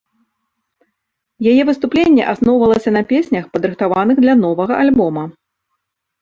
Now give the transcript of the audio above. Яе выступленне асноўвалася на песнях, падрыхтаваных для новага альбома.